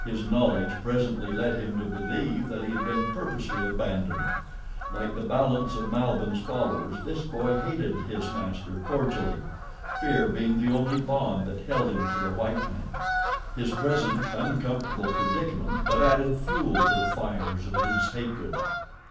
His knowledge presently led him to believe that he had been purposely abandoned. Like the balance of Malbihn's followers, this boy hated his master cordially—fear being the only bond that held him to the white man. His present uncomfortable predicament but added fuel to the fires of his hatred.